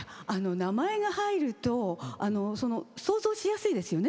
名前が入ると想像しやすいですよね。